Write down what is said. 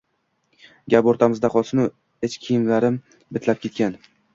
Gap o`rtamizda qolsin-u, ich kiyimlarim bitlab ketgan